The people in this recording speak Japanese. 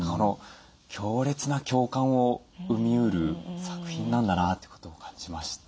強烈な共感を生みうる作品なんだなってことを感じました。